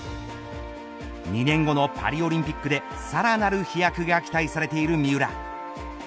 ２年後のパリオリンピックでさらなる飛躍が期待されている三浦。